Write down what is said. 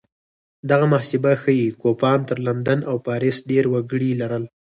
دغه محاسبه ښيي کوپان تر لندن او پاریس ډېر وګړي لرل